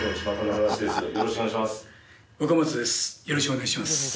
よろしくお願いします。